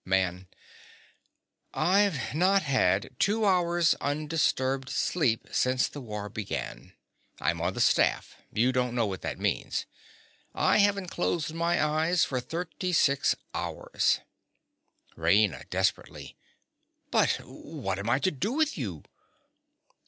MAN. I've not had two hours' undisturbed sleep since the war began. I'm on the staff: you don't know what that means. I haven't closed my eyes for thirty six hours. RAINA. (desperately). But what am I to do with you.